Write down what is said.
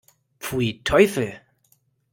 Pfui, Teufel!